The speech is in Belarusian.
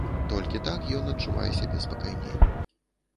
Толькі так ён адчувае сябе спакайней.